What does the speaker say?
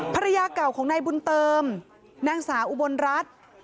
ภรรยาเก่าของนายบุญเติมนางสาวอุบลรัฐ